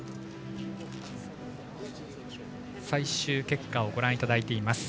最終結果をご覧いただいています。